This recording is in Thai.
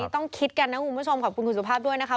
ต้องคิดกันนะคุณผู้ชมขอบคุณคุณสุภาพด้วยนะคะ